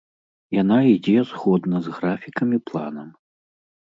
Яна ідзе згодна з графікам і планам.